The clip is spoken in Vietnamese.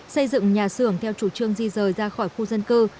xây dựng nhà xưởng theo chủ trương di rời ra khỏi khu dân cư